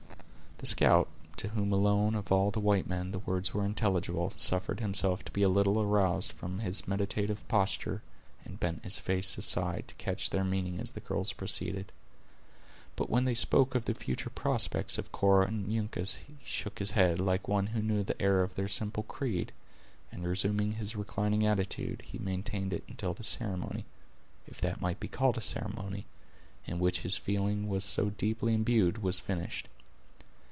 The scout, to whom alone, of all the white men, the words were intelligible, suffered himself to be a little aroused from his meditative posture, and bent his face aside, to catch their meaning, as the girls proceeded. But when they spoke of the future prospects of Cora and Uncas, he shook his head, like one who knew the error of their simple creed, and resuming his reclining attitude, he maintained it until the ceremony, if that might be called a ceremony, in which feeling was so deeply imbued, was finished.